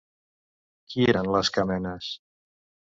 Qui eren les Camenes?